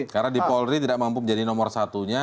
karena di polri tidak mampu menjadi nomor satunya